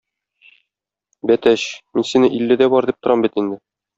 Бәтәч, мин сине илледә бар дип торам бит инде!